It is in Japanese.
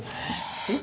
えっ？